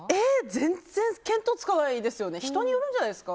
全然見当つかないです。